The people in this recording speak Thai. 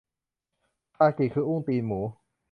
คากิคืออุ้งตีนหมู